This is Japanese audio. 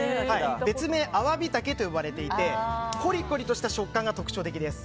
別名アワビタケといわれていてコリコリとした食感が特徴的です。